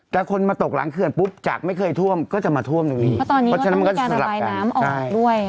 แล้วคนมาตกหลังเคือนปุ๊บจากไม่เคยท่วมก็จะมาท่วมอยู่ดีแล้วตอนนี้ก็ต้องมีการระบายน้ำออกด้วย